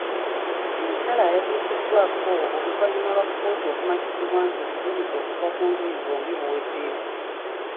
Ensala yatuukiddwaako oluvannyuma lwa kkooti okumatizibwa nti obujulizi okuva ku njuyi zombi buweddeyo.